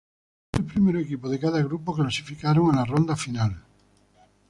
Los tres primeros equipos de cada grupo clasificaron a la ronda final.